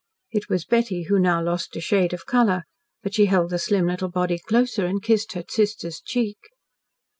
It was Betty who now lost a shade of colour. But she held the slim little body closer and kissed her sister's cheek.